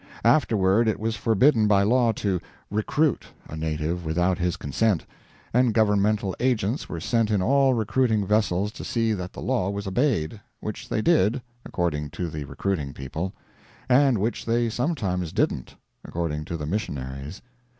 Afterward it was forbidden by law to "recruit" a native without his consent, and governmental agents were sent in all recruiting vessels to see that the law was obeyed which they did, according to the recruiting people; and which they sometimes didn't, according to the missionaries.